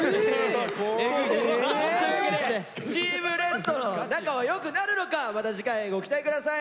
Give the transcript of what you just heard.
え！というわけでチームレッドの仲は良くなるのかまた次回ご期待下さい。